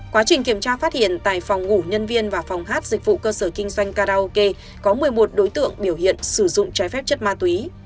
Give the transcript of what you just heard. quá trình kiểm tra phát hiện tại phòng ngủ nhân viên và phòng hát dịch vụ cơ sở kinh doanh karaoke có một mươi một đối tượng biểu hiện sử dụng trái phép chất ma túy